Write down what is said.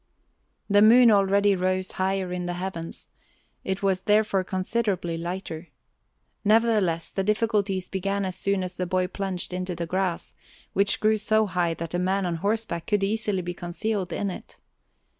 The moon already rose higher in the heavens; it was therefore considerably lighter. Nevertheless, the difficulties began as soon as the boy plunged into the grass, which grew so high that a man on horseback could easily be concealed in it.